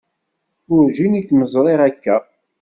Werǧin i kem-ẓriɣ akka.